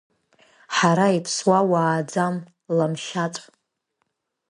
Ҳара иԥсуа уааӡам, Ламшьаҵә.